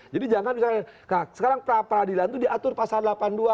jadi jangan sekarang peradilan itu diatur pasal delapan puluh dua